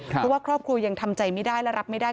เพราะว่าครอบครัวยังทำใจไม่ได้และรับไม่ได้